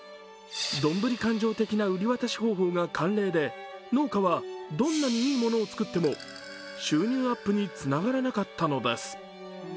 どんぶり勘定的な売り渡し方法が慣例で農家はどんなにいいものを作っても、収入アップにつながらなかったのです。